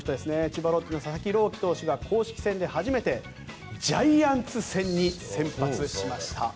千葉ロッテの佐々木朗希投手が公式戦で初めてジャイアンツ戦に先発しました。